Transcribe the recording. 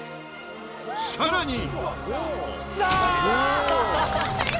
さらに。